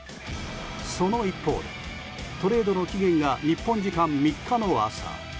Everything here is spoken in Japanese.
その一方でトレードの期限が日本時間３日の朝。